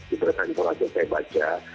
di perusahaan kolajen saya baca